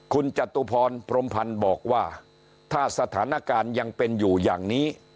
คุณจตุพรพรมพันธ์บอกว่าถ้าสถานการณ์ยังเป็นอยู่อย่างนี้